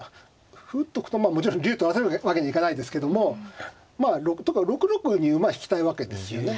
歩打っとくともちろん竜と合わせるわけにいかないですけどもまあ６六に馬引きたいわけですよね